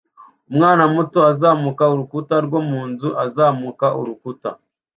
Umwana muto uzamuka urukuta rwo mu nzu azamuka urukuta